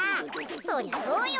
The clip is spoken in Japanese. そりゃそうよ。